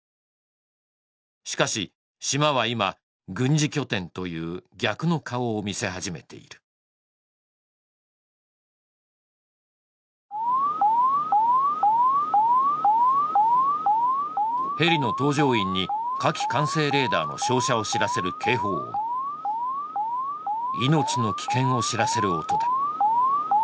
しかし島は今軍事拠点という逆の顔を見せ始めているヘリの搭乗員に火器管制レーダーの照射を知らせる警報音命の危険を知らせる音だ